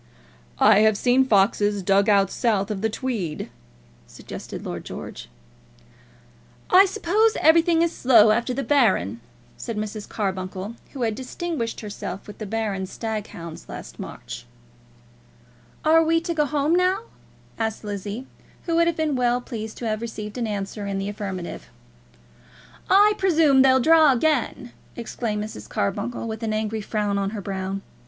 "I have seen foxes dug out south of the Tweed," suggested Lord George. "I suppose everything is slow after the Baron," said Mrs. Carbuncle, who had distinguished herself with the Baron's stag hounds last March. "Are we to go home now?" asked Lizzie, who would have been well pleased to have received an answer in the affirmative. "I presume they'll draw again," exclaimed Mrs. Carbuncle, with an angry frown on her brow.